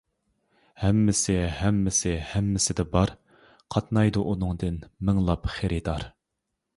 ھەممىسى، ھەممىسى، ھەممىسىدە بار، قاتنايدۇ ئۇنىڭدىن مىڭلاپ خېرىدار.